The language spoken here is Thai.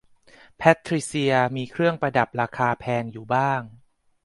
แพตทริเซียมีเครื่องประดับราคาแพงอยู่บ้าง